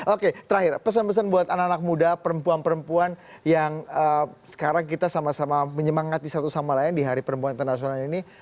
oke terakhir pesan pesan buat anak anak muda perempuan perempuan yang sekarang kita sama sama menyemangati satu sama lain di hari perempuan internasional ini